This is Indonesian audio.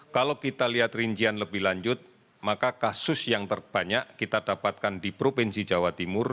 kalau kita lihat rincian lebih lanjut maka kasus yang terbanyak kita dapatkan di provinsi jawa timur